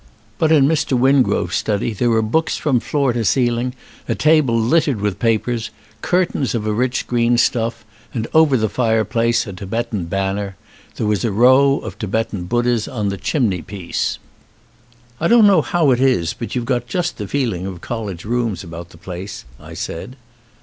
But 47 ON A CHINESE SCBEEN in Mr. Wingrove's study there were books from floor to ceiling, a table littered with papers, cur tains of a rich green stuff , and over the fireplace a Tibetan bannner. There was a row of Tibetan Buddhas on the chimney piece. "I don't know how it is, but you've got just the feeling of college rooms about the place," I said.